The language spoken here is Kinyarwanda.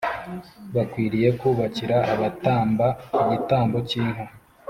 bakwiriye kubakira abatamba igitambo cy inka